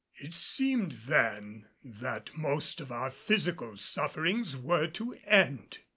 It seemed, then, that most of our physical sufferings were to end.